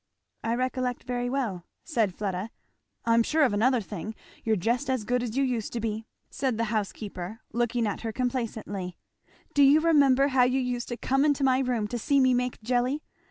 "I recollect, very well," said Fleda. "I'm sure of another thing you're just as good as you used to be," said the housekeeper looking at her complacently. "Do you remember how you used to come into my room to see me make jelly?